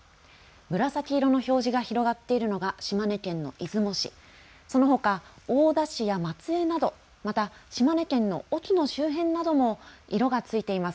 紫色の表示が広がっているのが島根県の出雲市、そのほか大田市や松江など、また島根県の隠岐の周辺なども色がついています。